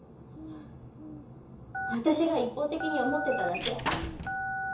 私が一方的に思ってただけ。